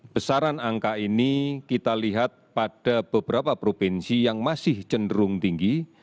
besaran angka ini kita lihat pada beberapa provinsi yang masih cenderung tinggi